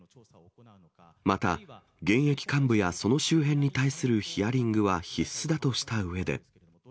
また現役幹部やその周辺に対するヒアリングは必須だとしたうえで。